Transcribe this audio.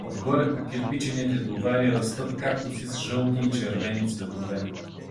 Отгоре по кирпичените дувари растат кактуси с жълти и червени цветове.